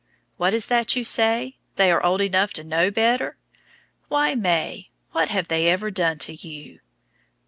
What is that you say? They are old enough to know better? Why, May, what have they ever done to you?